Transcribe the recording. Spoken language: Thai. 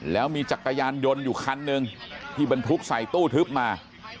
แล้วมีจักรยานยนต์อยู่คันหนึ่งที่บรรทุกใส่ตู้ทึบมา